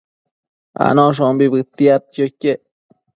Anoshombi bëtiadquio iquec